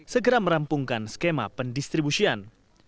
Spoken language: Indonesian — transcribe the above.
segera merampungkan skema pendistribusian